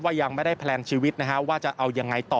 ยังไม่ได้แพลนชีวิตนะฮะว่าจะเอายังไงต่อ